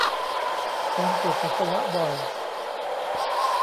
การปวดปัสสาวะบ่อย